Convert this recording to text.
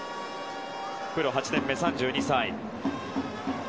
プロ８年目、３２歳。